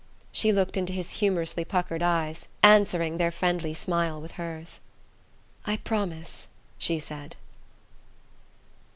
She looked into his humorously puckered eyes, answering. Their friendly smile with hers. "I promise!" she said.